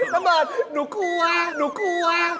กลัวน้ำเบิร์ดหนูกลัวหนูกลัว